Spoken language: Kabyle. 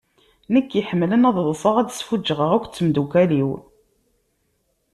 Nekk iḥemlen ad ḍṣeɣ ad sfuǧɣeɣ akk d temdukkal-iw.